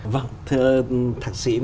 vâng thưa thạc sĩ